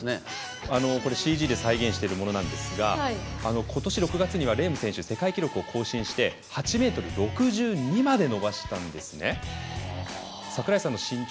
ＣＧで再現しているものですがことし６月にはレーム選手記録を更新して８ｍ６２まで伸ばしたんです。